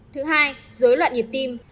thứ hai dối loạn nhịp tim